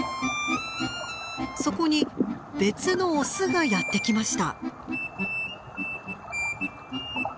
そこに別のオスがやって来ました。